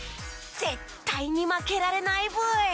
絶対に負けられないブイ！